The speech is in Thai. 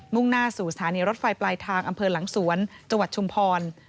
่งหน้าสู่สถานีรถไฟปลายทางอำเภอหลังสวนจังหวัดชุมพร